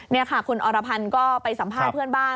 นี่ค่ะคุณอรพันธ์ก็ไปสัมภาษณ์เพื่อนบ้าน